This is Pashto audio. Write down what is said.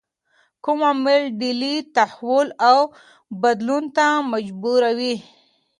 کوم عوامل ډلې تحول او بدلون ته مجبوروي؟